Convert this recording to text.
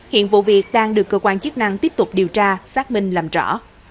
hiện vụ việc đang được cơ quan chức năng tiếp tục điều tra xác minh làm rõ